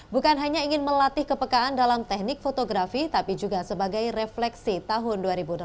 bukan hanya ingin melatih kepekaan dalam teknik fotografi tapi juga sebagai refleksi tahun dua ribu delapan belas